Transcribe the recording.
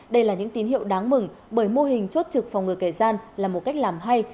đây là những tín hiệu đáng mừng bởi mô hình chốt trực phòng ngừa kẻ gian là một cách làm hay